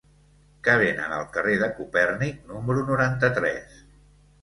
Què venen al carrer de Copèrnic número noranta-tres?